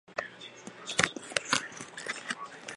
四名作曲者都曾为杰尼斯事务所的艺人作曲。